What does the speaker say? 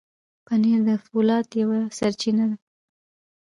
پنېر د فولاد یوه سرچینه ده.